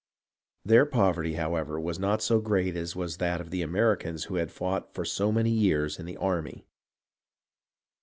Their poverty, however, was not so great as was that of the Americans who had fought for so many years in the army.